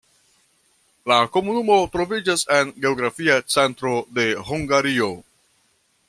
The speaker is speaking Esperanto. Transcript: La komunumo troviĝas en geografia centro de Hungario.